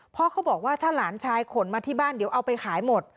เพราะเขาบอกว่าถ้าหลานชายขนมาที่บ้านเดี๋ยวเอาไปขายหมด